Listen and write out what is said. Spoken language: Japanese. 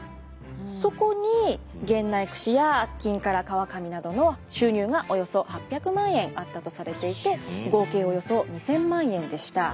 そこに源内くしや金唐革紙などの収入がおよそ８００万円あったとされていて合計およそ２，０００万円でした。